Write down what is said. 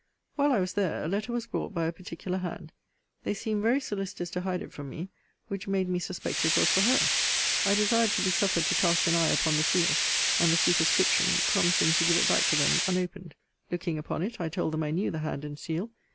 While I was there a letter was brought by a particular hand. They seemed very solicitous to hide it from me; which made me suspect it was for her. I desired to be suffered to cast an eye upon the seal, and the superscription; promising to give it back to them unopened. Looking upon it, I told them I knew the hand and seal.